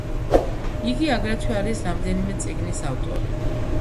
იგი აგრეთვე არის რამდენიმე წიგნის ავტორი.